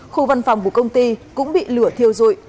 khu văn phòng của công ty cũng bị lửa thiêu dụi